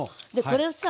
これをさ